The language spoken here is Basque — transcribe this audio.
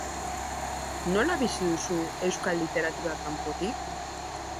Nola bizi duzu euskal literatura kanpotik?